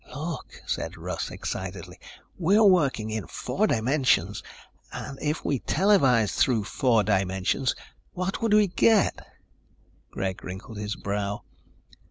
"Look," said Russ excitedly. "We're working in four dimensions. And if we televised through four dimensions, what would we get?" Greg wrinkled his brow.